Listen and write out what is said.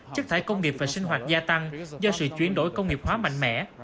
chất thải công nghiệp và sinh hoạt gia tăng do sự chuyển đổi công nghiệp hóa mạnh mẽ